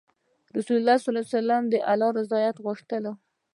رسول الله ﷺ الله رضا غوښتله.